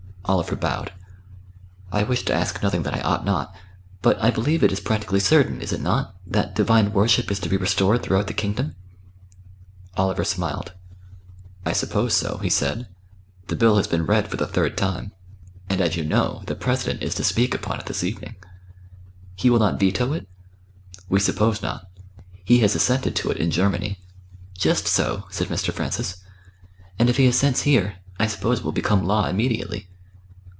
Oliver bowed. "I wish to ask nothing that I ought not. But I believe it is practically certain, is it not? that Divine Worship is to be restored throughout the kingdom?" Oliver smiled. "I suppose so," he said. "The bill has been read for the third time, and, as you know, the President is to speak upon it this evening." "He will not veto it?" "We suppose not. He has assented to it in Germany." "Just so," said Mr. Francis. "And if he assents here, I suppose it will become law immediately."